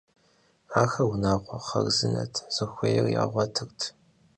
Ахэр унагъуэ хъарзынэт, захуейр ягъуэтырт.